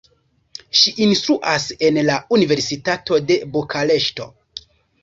Ŝi instruas en la Universitato de Bukareŝto.